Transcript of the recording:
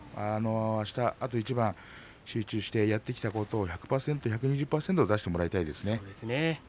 あした、あと一番集中してやってきたことを１００％１２０％出してほしいですね。